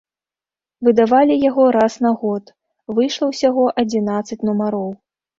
Выдавалі яго раз на год, выйшла ўсяго адзінаццаць нумароў.